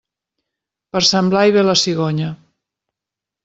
Per Sant Blai ve la cigonya.